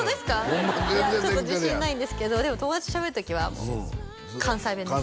ホンマ全然できてるやんちょっと自信ないんですけどでも友達としゃべる時はもう関西弁です